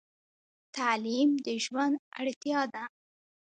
تعلیم د ژوند اړتیا ده.